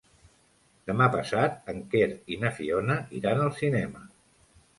Demà passat en Quer i na Fiona iran al cinema.